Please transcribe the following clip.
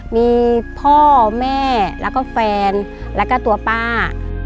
มีพ่อแม่แล้วก็แฟนแล้วก็ตัวป้า